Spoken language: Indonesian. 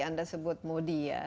anda sebut modi ya